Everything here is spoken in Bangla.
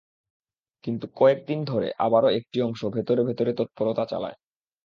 কিন্তু কয়েক দিন ধরে আবারও একটি অংশ ভেতরে ভেতরে তৎপরতা চালায়।